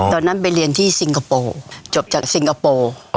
ตอนนั้นไปเรียนที่ซิงคโปร์จบจากซิงคโปร์